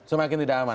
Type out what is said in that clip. semakin tidak aman